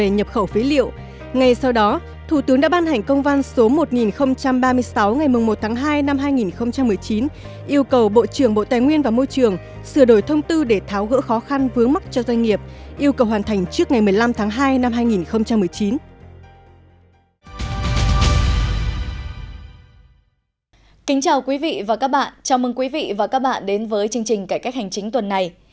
ngày sau đó thủ tướng đã ban hành công văn số một nghìn ba mươi sáu ngày một tháng hai năm hai nghìn một mươi chín yêu cầu bộ trưởng bộ tài nguyên và môi trường sửa đổi thông tư để tháo gỡ khó khăn vướng mắc cho doanh nghiệp yêu cầu hoàn thành trước ngày một mươi năm tháng hai năm hai nghìn một mươi chín